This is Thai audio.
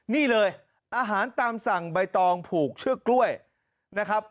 นี่เลยอาหารตามสั่งใบตองผูกเชือกกล้วยนะครับ